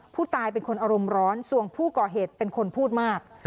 ผู้ตายเป็นคนอารมณ์ร้อนส่วนผู้ก่อเหตุเป็นคนพูดมาก